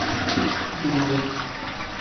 Duuri.